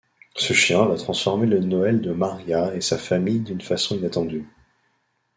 Ce chien va transformer le Noël de Mariah et sa famille d'une façon inattendue.